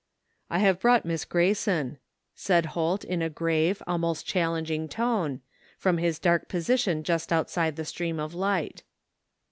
" I have brought Miss Grayson," said Holt in a grave, almost challenging tone, from his dark position just outside the stream of light.